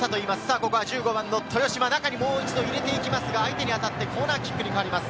ここは１５番の豊嶋、中にもう一度入れていきますが、コーナーキックに変わります。